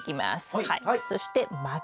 はい。